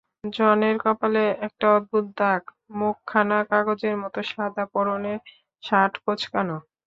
জনের কপালে একটা অদ্ভুত দাগ, মুখখানা কাগজের মতো সাদা, পরনের শার্ট কোঁচকানো।